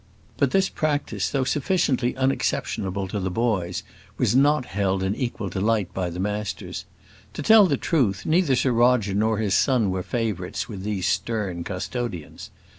But this practice, though sufficiently unexceptionable to the boys, was not held in equal delight by the masters. To tell the truth, neither Sir Roger nor his son were favourites with these stern custodians.